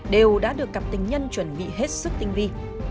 đều đã được cặp tình nhân chuẩn bị hết sức tinh vi